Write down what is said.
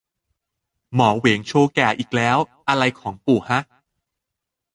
หมอเหวงโชว์แก่อีกแล้ว อะไรของปู่ฮะ